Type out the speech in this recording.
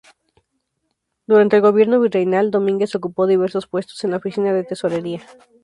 Durante el gobierno virreinal, Domínguez ocupó diversos puestos en la oficina de tesorería.